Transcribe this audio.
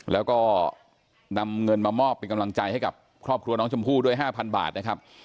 แล้วก็นำเงินมามอบเป็นกำลังใจให้กับครอบครัวน้องชมพู่ด้วย๕๐๐บาทนะครับ